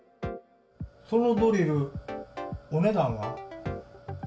そのドリル、お値段は？